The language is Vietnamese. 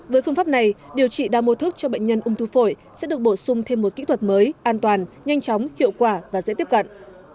với phương pháp này điều trị đa mô thức cho bệnh nhân ung thư phổi sẽ được bổ sung thêm một kỹ thuật mới an toàn nhanh chóng hiệu quả và dễ tiếp cận